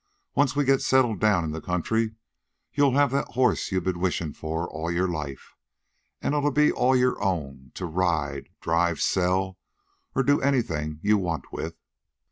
"Once we get settled down in the country you'll have that horse you've been wishin' for all your life. An' it'll be all your own, to ride, drive, sell, or do anything you want with."